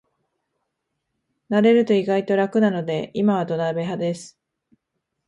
慣れると意外と楽なので今は土鍋派です